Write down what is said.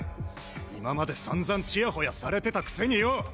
今まで散々チヤホヤされてたくせによ！